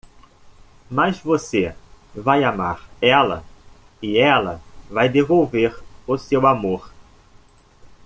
Mas você vai amar ela? e ela vai devolver o seu amor.